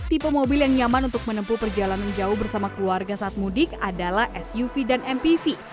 tipe mobil yang nyaman untuk menempuh perjalanan jauh bersama keluarga saat mudik adalah suv dan mpv